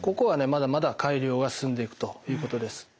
まだまだ改良は進んでいくということです。